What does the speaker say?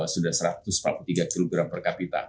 sudah satu ratus empat puluh tiga kg per kapita